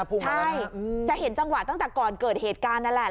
ใช่จะเห็นจังหวะตั้งแต่ก่อนเกิดเหตุการณ์นั่นแหละ